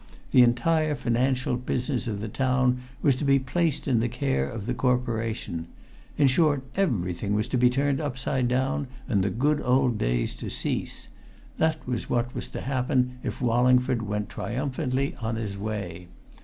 The entire financial business of the town was to be placed in the care of the Corporation. In short, everything was to be turned upside down, and the good old days to cease. That was what was to happen if Wallingford went triumphantly on his way.